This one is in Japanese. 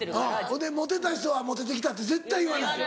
ほんでモテた人は「モテてきた」って絶対言わない。